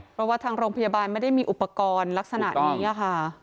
เพราะว่าทางโรงพยาบาลไม่ได้มีอุปกรณ์ลักษณะนี้ค่ะ